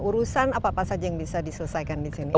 urusan apa saja yang bisa diselesaikan disini